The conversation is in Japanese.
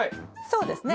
そうですね。